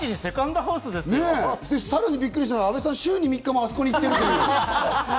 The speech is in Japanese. さらにびっくりしたのが週に３日もあそこに行っているとは。